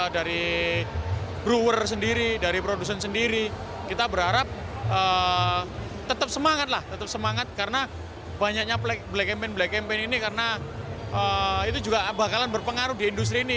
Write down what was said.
dari brower sendiri dari produsen sendiri kita berharap tetap semangat lah tetap semangat karena banyaknya black campaig black campaign ini karena itu juga bakalan berpengaruh di industri ini